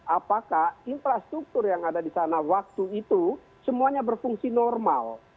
apakah infrastruktur yang ada di sana waktu itu semuanya berfungsi normal